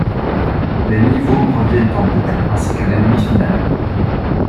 Les niveaux reviennent en boucle, ainsi que l'ennemi final.